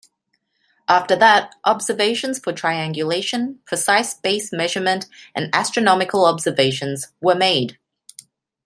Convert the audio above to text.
After that, observations for triangulation, precise base measurement and astronomical observations were made.